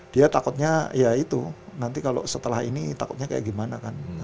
dia takutnya ya itu nanti kalau setelah ini takutnya kayak gimana kan